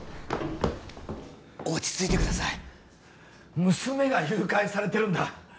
落ち着いてください娘が誘拐されてるんだ